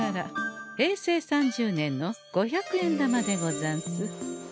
平成３０年の五百円玉でござんす。